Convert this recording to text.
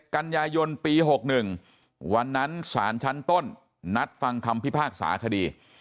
กันยายนปี๖๑วันนั้นสารชั้นต้นนัดฟังคำพิพากษาคดี